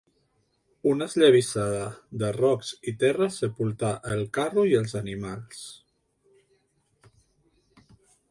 Una esllavissada de rocs i terra sepultà el carro i els animals.